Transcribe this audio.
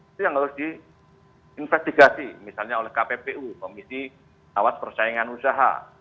itu yang harus diinvestigasi misalnya oleh kppu komisi awas persaingan usaha